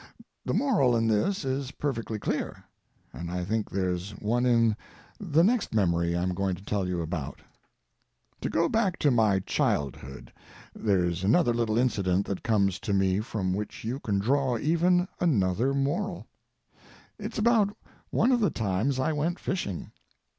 The moral in this is perfectly clear, and I think there's one in the next memory I'm going to tell you about. To go back to my childhood, there's another little incident that comes to me from which you can draw even another moral. It's about one of the times I went fishing.